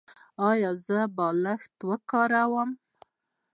ایا زه باید بالښت وکاروم؟